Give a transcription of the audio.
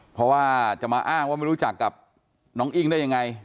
เพราะว่าจะมาอ้างว่าไม่รู้จักกับน้องอิ้งได้ยังไง